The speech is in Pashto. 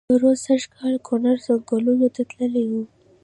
زه پرو سږ کال کونړ ځنګلونو ته تللی وم.